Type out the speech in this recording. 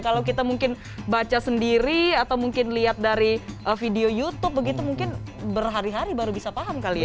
kalau kita mungkin baca sendiri atau mungkin lihat dari video youtube begitu mungkin berhari hari baru bisa paham kali ya